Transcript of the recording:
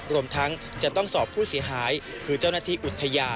รวมทั้งจะต้องสอบผู้เสียหายคือเจ้าหน้าที่อุทยาน